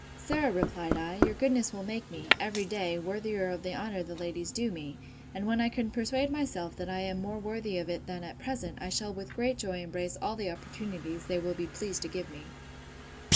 Sir, replied I, your goodness will make me, every day, worthier of the honour the ladies do me; and when I can persuade myself that I am more worthy of it than at present, I shall with great joy embrace all the opportunities they will be pleased to give me.